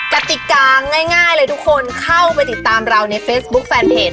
กติกาง่ายเลยทุกคนเข้าไปติดตามเราในเฟซบุ๊คแฟนเพจ